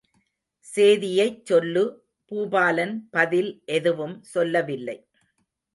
சேதியைச் சொல்லு பூபாலன் பதில் எதுவும் சொல்லவில்லை.